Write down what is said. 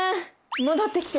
戻ってきて。